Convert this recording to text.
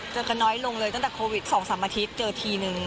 เจอกันน้อยลงเลยตั้งแต่โควิด๒๓อาทิตย์เจอทีนึง